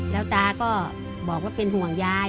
แล้วตาก็บอกว่าเป็นห่วงยาย